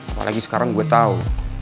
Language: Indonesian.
apalagi sekarang gue tau